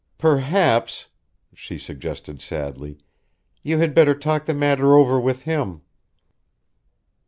"Perhaps," she suggested sadly, "you had better talk the matter over with him."